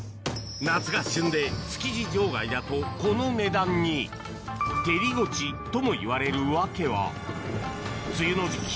夏が旬で築地場外だとこの値段に照りゴチともいわれる訳は梅雨の時季